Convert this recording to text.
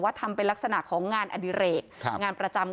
ความปลอดภัยของนายอภิรักษ์และครอบครัวด้วยซ้ำ